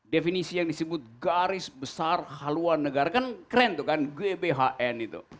lalu porsetan dalangan hewan tersebut